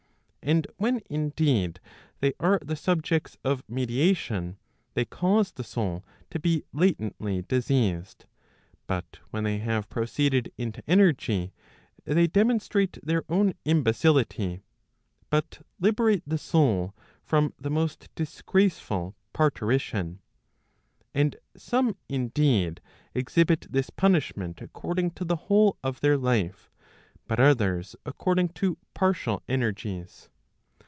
And when indeed, they are the subjects of medi¬ tation, they cause the soul to be latently diseased ; but when they have proceeded into energy, they demonstrate their own imbecility, but liberate the soul from the most disgraceful parturition. And some indeed, exhibit this punishment according to the whole of their life; but others according to partial energies.